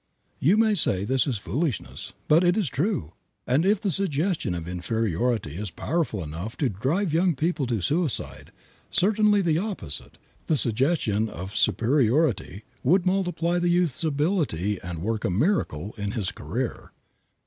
You may say this is foolishness, but it is true. And if the suggestion of inferiority is powerful enough to drive young people to suicide, certainly the opposite, the suggestion of superiority, would multiply the youth's ability and work a miracle in his career.